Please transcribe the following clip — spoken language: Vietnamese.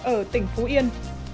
ở tỉnh phú yên